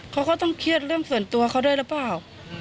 เขาก็ต้องเครียดเรื่องส่วนตัวเขาด้วยหรือเปล่า